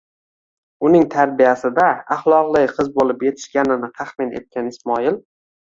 Uning tarbiyasida axloqli qiz bo'lib yetishganini taxmin etgan Ismoil